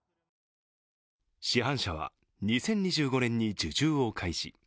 市販車は２０２５年に受注を開始